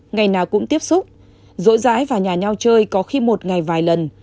ngày nào cũng tiếp xúc rỗi rãi và nhà nhau chơi có khi một ngày vài lần